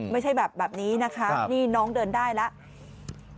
ไม่ใช่แบบนี้นะคะนี่น้องเดินได้แล้ว